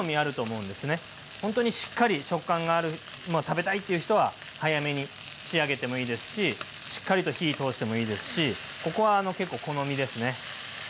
本当にしっかり食感があるものを食べたいっていう人は早めに仕上げてもいいですししっかりと火通してもいいですしここは結構好みですね。